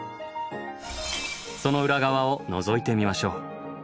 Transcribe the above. その裏側をのぞいてみましょう。